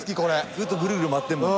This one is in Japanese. ずっとぐるぐる回ってるもん。